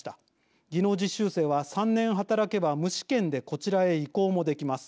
技能実習生は３年働けば無試験でこちらへ移行もできます。